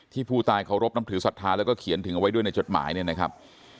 ที่ภูตายเค้ารบนำถือสัทธาแล้วก็เขียนถึงเอาไว้ด้วยในจดหมายนี้นะครับ